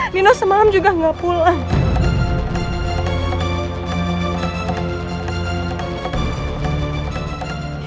nino semalam juga gak pulang